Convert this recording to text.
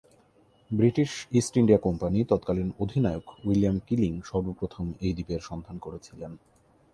British East India Company তৎকালীন অধিনায়ক William Keeling সর্বপ্রথম এই দ্বীপের সন্ধান করেছিলেন।